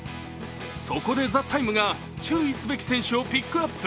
そこで「ＴＨＥＴＩＭＥ，」が注意すべき選手をピックアップ。